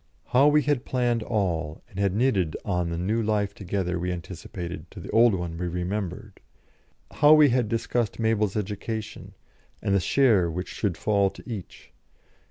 How we had planned all, and had knitted on the new life together we anticipated to the old one we remembered! How we had discussed Mabel's education, and the share which should fall to each!